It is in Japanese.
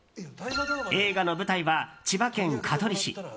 映画の舞台は千葉県香取市。